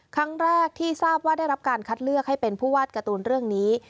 ครั้งแรกที่ทราบว่าได้รับการคัดเลือกให้เป็นผู้วาดการ์ตูนเรื่องนี้